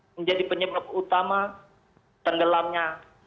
menjadi penyebab utama tenggelamnya